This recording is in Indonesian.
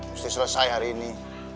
mesti selesai hari ini